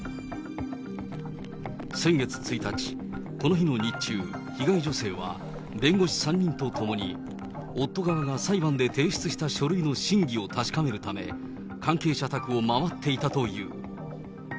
先月１日、この日の日中、被害女性は、弁護士３人と共に、夫側が裁判で提出した書類の真偽を確かめるため、関係者宅を回っていたという。